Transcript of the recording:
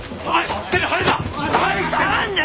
勝手に入るな！